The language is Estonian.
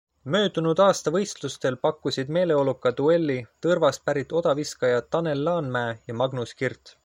Möödunud aasta võistlustel pakkusid meeleoluka duelli Tõrvast pärit odaviskajad Tanel Laanmäe ja Magnus Kirt.